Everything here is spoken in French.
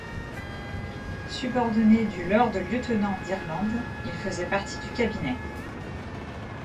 Subordonné du Lord lieutenant d'Irlande, il faisait partie du Cabinet.